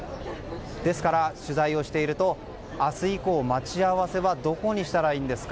ですから取材をしていると明日以降、待ち合わせはどこにしたらいいんですか？